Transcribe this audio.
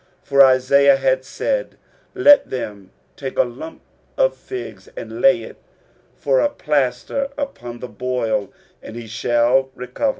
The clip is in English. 23:038:021 For Isaiah had said, Let them take a lump of figs, and lay it for a plaister upon the boil, and he shall recover.